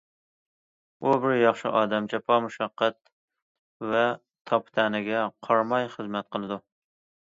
ئۇ بىر ياخشى ئادەم، جاپا- مۇشەققەت ۋە تاپا- تەنىگە قارىماي خىزمەت قىلىدۇ.